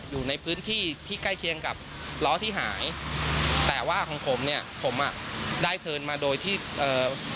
อยู่ในพื้นที่ที่ใกล้เคียงกับล้อที่หายแต่ว่าของผมเนี่ยผมอ่ะได้เทินมาโดยที่เอ่อ